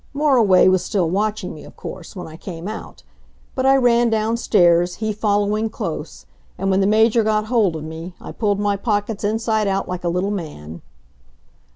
Moriway was still watching me, of course, when I came out, but I ran downstairs, he following close, and when the Major got hold of me, I pulled my pockets inside out like a little man.